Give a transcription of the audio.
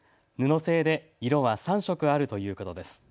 布製で色は３色あるということです。